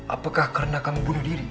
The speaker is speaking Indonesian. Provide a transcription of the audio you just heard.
apakah karena kamu bunuh diri